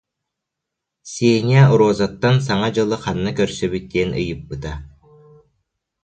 Сеня Розаттан Саҥа дьылы ханна көрсөбүт диэн ыйыппыта